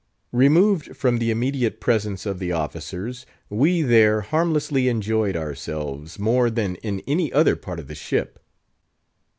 Removed from the immediate presence of the officers, we there harmlessly enjoyed ourselves, more than in any other part of the ship.